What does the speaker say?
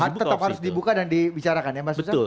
tetap harus dibuka dan dibicarakan ya mas husse